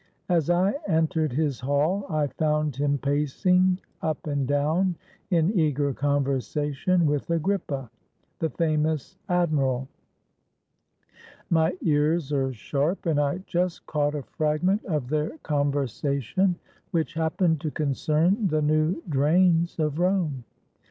As I entered his hall I found him pacing up and down in eager conversation with Agrippa, the famous admiral; my ears are sharp, and I just caught a fragment of their conversation, which happened to concern the new drains of Rome.